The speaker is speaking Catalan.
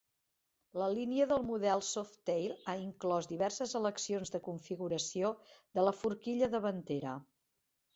La línia del model Softail ha inclòs diverses eleccions de configuració de la forquilla davantera.